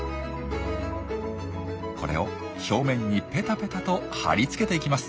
これを表面にペタペタと張り付けていきます。